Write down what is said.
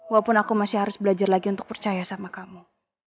walaupun aku masih harus belajar lagi untuk percaya sama kamu